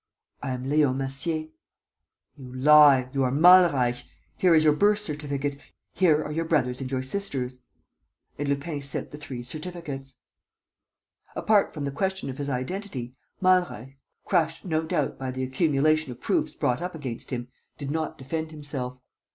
"I am Leon Massier." "You lie. You are Malreich. Here is your birth certificate. Here are your brother's and your sister's." And Lupin sent the three certificates. Apart from the question of his identity, Malreich, crushed, no doubt, by the accumulation of proofs brought up against him, did not defend himself.